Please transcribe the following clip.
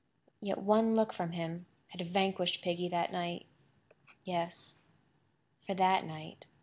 Yet one look from him had vanquished Piggy that night. Yes, for that night.